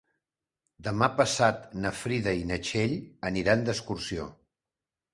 Demà passat na Frida i na Txell aniran d'excursió.